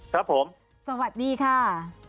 ครับผมสวัสดีค่ะ